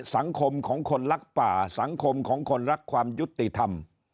สังคมของคนรักป่าสังคมของคนรักความยุติธรรม